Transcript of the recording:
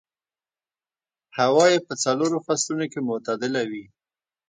هوا يې په څلورو فصلونو کې معتدله وي.